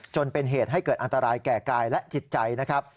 จนเป็นเหตุให้เกิดอันตรายแก่กายและจิตใจนะครับ